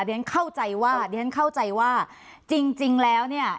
เดี๋ยวฉันเข้าใจว่าเดี๋ยวฉันเข้าใจว่าจริงจริงแล้วเนี่ย